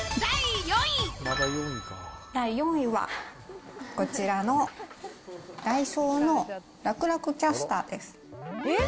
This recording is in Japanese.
第４位は、こちらのダイソーの楽々キャスターです。